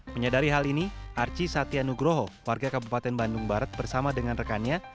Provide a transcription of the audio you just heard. menyadari hal ini arci satya nugroho warga kabupaten bandung barat bersama dengan rekannya